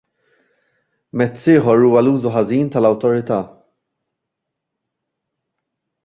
Mezz ieħor huwa l-użu ħażin tal-awtorità.